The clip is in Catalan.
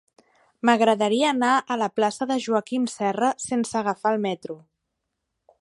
M'agradaria anar a la plaça de Joaquim Serra sense agafar el metro.